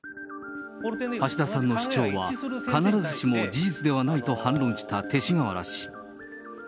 橋田さんの主張は必ずしも事実ではないと反論した勅使河原氏。